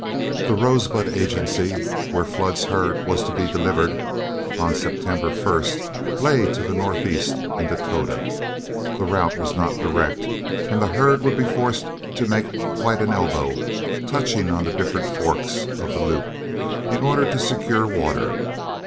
The Rosebud Agency, where Flood's herd was to be delivered on September 1, lay to the northeast in Dakota. The route was not direct, and the herd would be forced to make quite an elbow, touching on the different forks of the Loup in order to secure water.